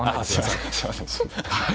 すいません。